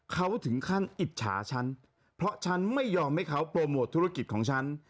เขาถึงขั้นอิจฉาฉันเพราะฉันไม่ยอมให้เขาโปรโมทธุรกิจของฉัน